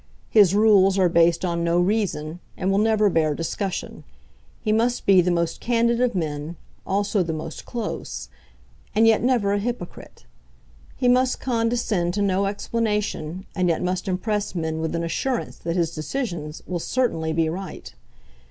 His rules are based on no reason, and will never bear discussion. He must be the most candid of men, also the most close; and yet never a hypocrite. He must condescend to no explanation, and yet must impress men with an assurance that his decisions will certainly be right.